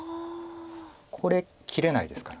これ切れないですから。